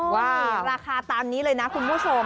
ราคาตามนี้เลยนะคุณผู้ชม